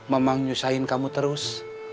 mamang nyusahin kamu terus